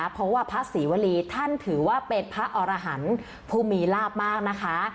เพราะว่าพระศรีวรีท่านถือว่าเป็นพระอรหันต์ผู้มีลาบมากนะคะ